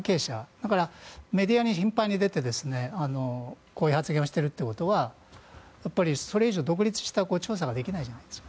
だから、メディアに頻繁に出てこういう発言をしてるということはそれ以上独立した調査ができないじゃないですか。